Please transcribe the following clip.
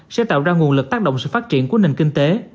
sẽ tạo ra nguồn lực tác động sự phát triển của nền kinh tế